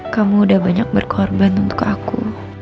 kamu udah banyak berkorban untuk aku